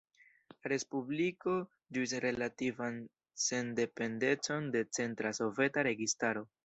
La respubliko ĝuis relativan sendependecon de centra Soveta registaro.